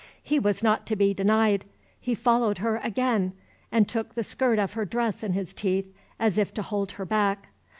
He was not to be denied; he followed her again, and took the skirt of her dress in his teeth, as if to hold her back.